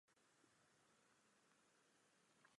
Festival byl následně předčasně ukončen.